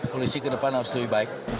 polisi ke depan harus lebih baik